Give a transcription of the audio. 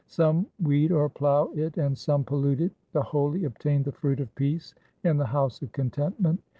Some weed or plough it, and some pollute it. The holy obtain the fruit of peace in the house of contentment.